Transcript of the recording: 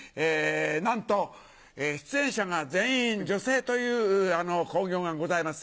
なんと出演者が全員女性という興行がございます。